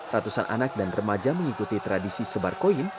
ratusan anak dan remaja mengikuti tradisi sebar koin